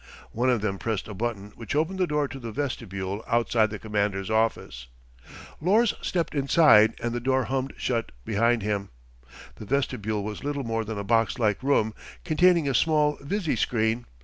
One of them pressed a button which opened the door to the vestibule outside the Commander's office. Lors stepped inside and the door hummed shut behind him. The vestibule was little more than a box like room, containing a small visi screen.